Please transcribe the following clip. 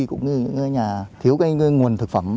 cũng như nhà thiếu nguồn thực phẩm